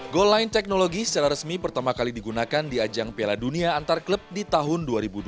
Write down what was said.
goal line technology secara resmi pertama kali digunakan di ajang piala dunia antar klub di tahun dua ribu dua puluh